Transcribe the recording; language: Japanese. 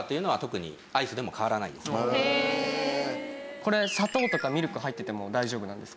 これ砂糖とかミルクが入ってても大丈夫なんですか？